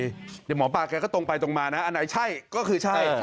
เดี๋ยวหมอปลาแกก็ตรงไปตรงมานะอันไหนใช่ก็คือใช่